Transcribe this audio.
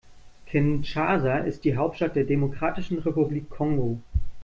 Kinshasa ist die Hauptstadt der Demokratischen Republik Kongo.